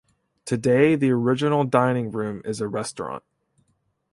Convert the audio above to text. Today the original dining room is a restaurant.